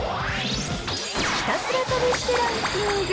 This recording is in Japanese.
ひたすら試してランキング。